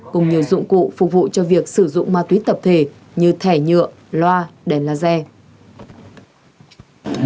cùng nhiều dụng cụ phục vụ cho việc sử dụng ma túy tập thể như thẻ nhựa loa đèn laser